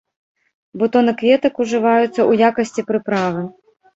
Бутоны кветак ужываюцца ў якасці прыправы.